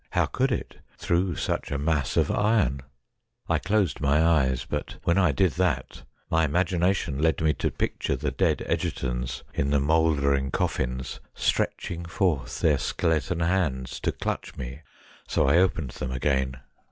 How could it through such a mass of iron ? I closed my eyes, but when I did that my imagination led me to picture the dead Egertonsinthe mouldering coffins stretching forth their skeleton hands to clutch me, so I opened them again.